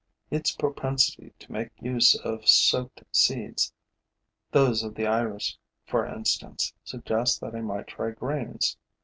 Its propensity to make use of soaked seeds, those of the iris, for instance, suggests that I might try grains.